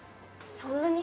そんなに？